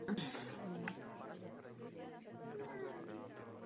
Děkuji pánům Reinfeldtovi a Barrosovi za jejich návrhy.